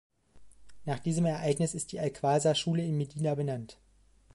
Nach diesem Ereignis ist die "al-Qaswa-Schule" in Medina benannt.